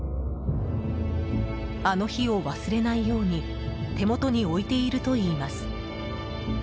あの日を忘れないように手元に置いているといいます。